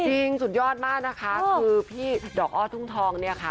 สุดยอดมากนะคะคือพี่ดอกอ้อทุ่งทองเนี่ยค่ะ